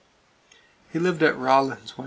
He lived at Rawlins, Wyo.